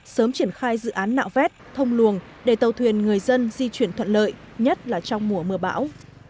sớm triển khai dự án nạo vét thông luồng để tàu thuyền người dân di chuyển thuận lợi nhất là trong mùa mưa bão